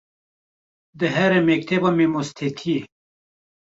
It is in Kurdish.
dihere mekteba mamostetiyê